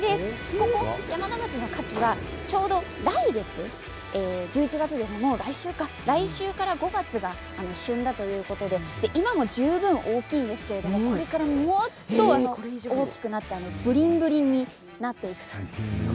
ここ山田町のかきはちょうど来月１１月、もう来週か来週から５月が旬だということで今も十分大きいですけれどもこれからもっと大きくなって、ぶりんぶりんになっていくそうです。